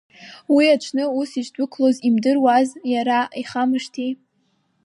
Уи аҽны ус ишдәықәлоз имдыруази иара, ихамышҭи.